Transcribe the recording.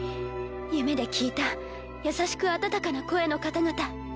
夢で聞いた優しく温かな声の方々。